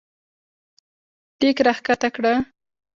لیک راښکته کړه